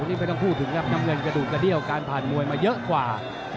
นี่ไม่ต้องพูดถึงครับน้ำเงินกระดูกกระเดี้ยวการผ่านมวยมาเยอะกว่า